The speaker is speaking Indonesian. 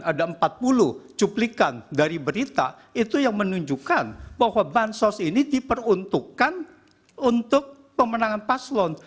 ada empat puluh cuplikan dari berita itu yang menunjukkan bahwa bansos ini diperuntukkan untuk pemenangan paslon